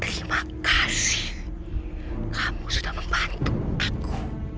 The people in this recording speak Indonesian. terima kasih kamu sudah membantu aku